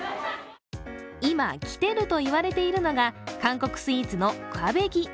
今、来てると言われているのが韓国スイーツのクァベギ。